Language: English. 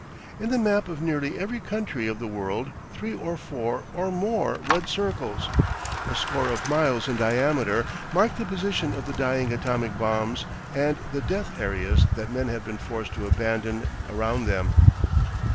In the map of nearly every country of the world three or four or more red circles, a score of miles in diameter, mark the position of the dying atomic bombs and the death areas that men have been forced to abandon around them.